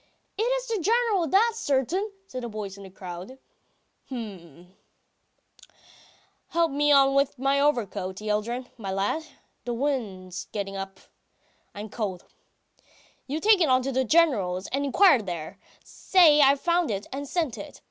"It is the General's, that's certain!" says a voice in the crowd. "H'm, help me on with my overcoat, Yeldyrin, my lad ... the wind's getting up. ... I am cold. ... You take it to the General's, and inquire there. Say I found it and sent it.